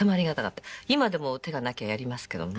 今でも手がなきゃやりますけどね。